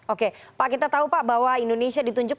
oke pak kita tahu pak bahwa indonesia ditunjuk